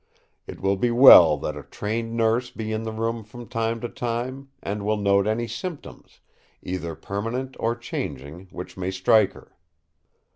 It will be well that a trained nurse be in the room from time to time, and will note any symptoms, either permanent or changing, which may strike her.